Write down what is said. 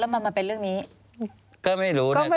แล้วเขาสร้างเองว่าห้ามเข้าใกล้ลูก